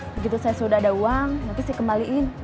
begitu saya sudah ada uang nanti saya kembaliin